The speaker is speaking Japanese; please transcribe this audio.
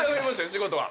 仕事は。